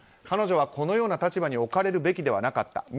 彼女はこのような立場に置かれるべきではなかった。